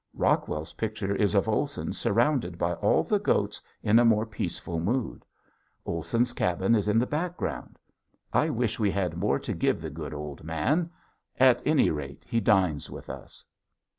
Rockwell's picture is of Olson surrounded by all the goats in a more peaceful mood. Olson's cabin is in the background. I wish we had more to give the good old man. At any rate he dines with us.